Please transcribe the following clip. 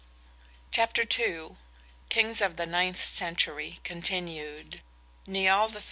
CHAPTER II. KINGS OF THE NINTH CENTURY (CONTINUED)—NIAL III.